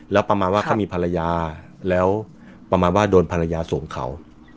แล้วประมาณว่าเขามีภรรยาแล้วประมาณว่าโดนภรรยาสวมเขา